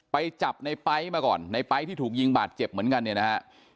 ไปจับในไป๊มาก่อนในไป๊ที่ถูกยิงบาดเจ็บเหมือนกันเนี่ยนะฮะ